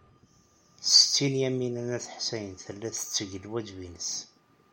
Setti Lyamina n At Ḥsayen tella tetteg lwajeb-nnes.